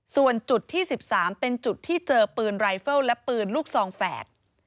ส่วนจุดที่๑๓เป็นจุดที่เจอปืนรายเฟิลและปืนลูกซองแฝด